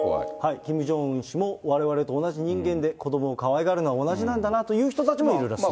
キム・ジョンウン氏もわれわれと同じ人間で子どもをかわいがるのは同じなんだなという人たちもいますと。